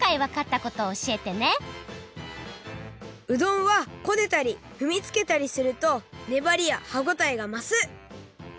うどんはこねたりふみつけたりするとねばりや歯ごたえがます！